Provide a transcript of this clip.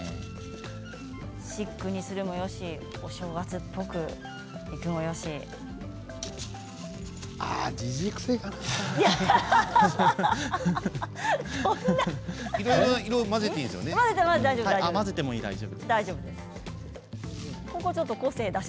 シックにするもよしお正月っぽくするもよし。